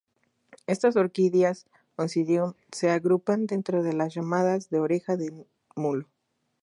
Estas orquídeas Oncidium se agrupan dentro de las llamadas de Oreja de mulo.